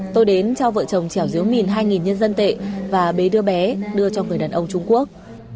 tôi đến cho vợ chồng trẻo diếu mìn hai nhân dân tệ và bé đứa bé đưa cho người đàn ông trung quốc